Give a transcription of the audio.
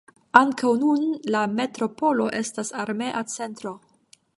Ankaŭ nun la metropolo estas armea centro.